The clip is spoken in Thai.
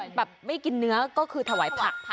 แบบไม่กินเนื้อก็คือถวายผัก